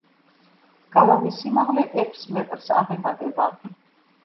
გალავნის სიმაღლე ექვს მეტრს აღემატება.